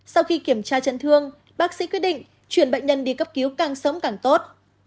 sau khi kiểm tra chấn thương bác sĩ quyết định chuyển bệnh nhân đi cấp cứu càng sớm càng tốt